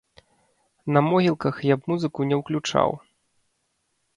На могілках я б музыку не ўключаў.